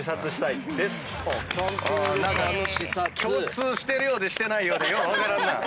何か共通してるようでしてないようでよう分からんな。